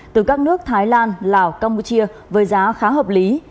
từ các nước thái lan lào campuchia với giá khá hợp lý